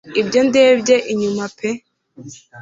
Iyo ndebye inyuma pe